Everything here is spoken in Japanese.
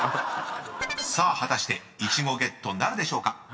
［さあ果たしてイチゴゲットなるでしょうか？］